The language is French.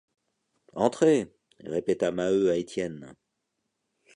Entrez, répéta Maheu à Étienne.